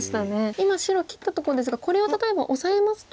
今白切ったとこですがこれは例えばオサえますと。